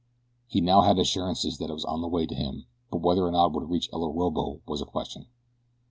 He now had assurances that it was on the way to him; but whether or not it would reach El Orobo was a question.